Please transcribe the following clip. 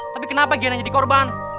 tapi kenapa giana jadi korban